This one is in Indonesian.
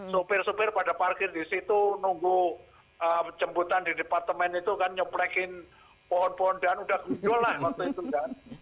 sopir sopir pada parkir di situ nunggu jemputan di departemen itu kan nyeplekin pohon pohon dan udah gundul lah waktu itu kan